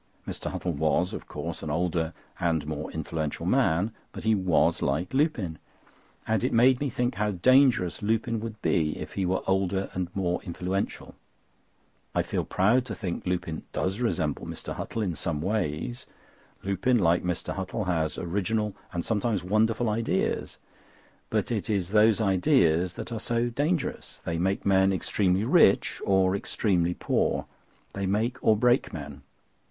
Mr. Huttle was, of course, an older and more influential man; but he was like Lupin, and it made me think how dangerous Lupin would be if he were older and more influential. I feel proud to think Lupin does resemble Mr. Huttle in some ways. Lupin, like Mr. Huttle, has original and sometimes wonderful ideas; but it is those ideas that are so dangerous. They make men extremely rich or extremely poor. They make or break men.